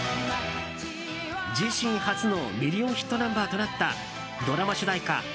自身初のミリオンヒットナンバーとなったドラマ主題歌